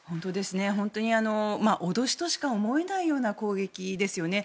本当に脅しとしか思えないような攻撃ですよね。